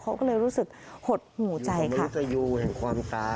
เขาก็เลยรู้สึกหดหูใจค่ะ